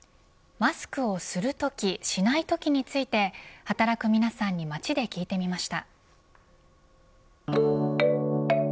マスクをするときしないときについて働く皆さんに街で聞いてみました。